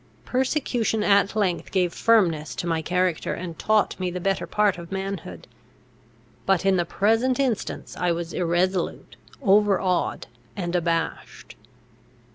Persecution at length gave firmness to my character, and taught me the better part of manhood. But in the present instance I was irresolute, overawed, and abashed.